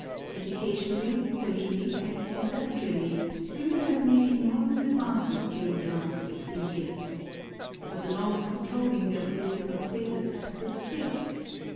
Educationally, socially, and industrially women have made enormous advances during the last sixty years. But the laws controlling their political status have stood still.